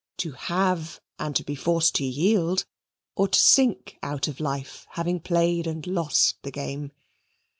To have, and to be forced to yield; or to sink out of life, having played and lost the game?